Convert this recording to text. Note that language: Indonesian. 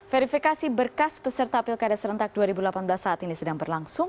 verifikasi berkas peserta pilkada serentak dua ribu delapan belas saat ini sedang berlangsung